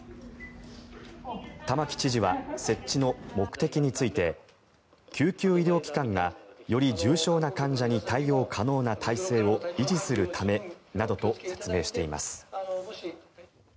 玉城知事は設置の目的について救急医療機関がより重症な患者に対応可能な体制を維持するためなどと説明しています。